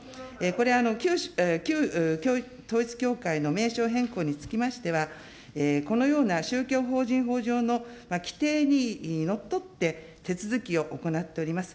これ、旧統一教会の名称変更につきましては、このような宗教法人法上の規定にのっとって手続きを行っております。